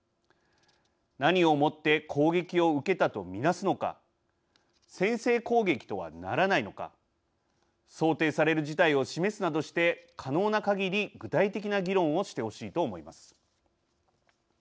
何をもって攻撃を受けたと見なすのか先制攻撃とはならないのか想定される事態を示すなどして可能なかぎり具体的な議論をしてほしいと思います。